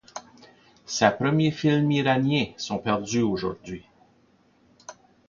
Ces premiers films iraniens sont perdus aujourd'hui.